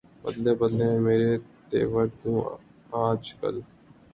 بدلے بدلے ہیں میرے تیور کیوں آج کل